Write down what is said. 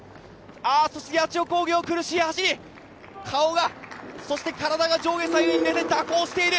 そして八千代工業、苦しい走り顔が、そして体が上下左右に蛇行している。